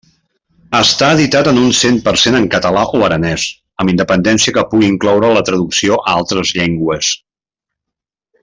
Estar editat en un cent per cent en català o aranès, amb independència que pugui incloure la traducció a altres llengües.